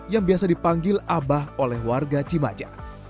yang biasa dipanggil abah oleh warga cimaja